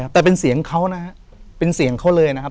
แต่เป็นเสียงเขานะครับเป็นเสียงเขาเลยนะครับ